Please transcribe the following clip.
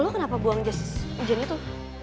lu kenapa buang jas hujan itu